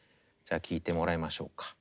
じゃあ聴いてもらいましょうか。